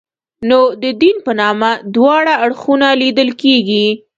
نو د دین په نامه دواړه اړخونه لیدل کېږي.